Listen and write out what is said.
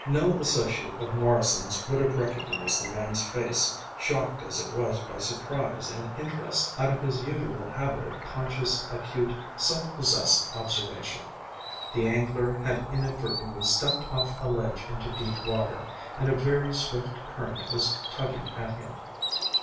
No old associate of Morrison's would have recognized the man's face, shocked as it was by surprise and interest out of his usual habit of conscious, acute, self possessed observation. The angler had inadvertently stepped off a ledge into deep water, and a very swift current was tugging at him.